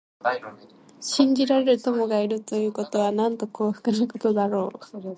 信じられる友がいるということは、なんと幸福なことだろう。